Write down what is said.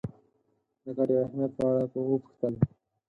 د ګټې او اهمیت په اړه وپوښتل.